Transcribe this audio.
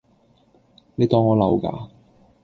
你當我流㗎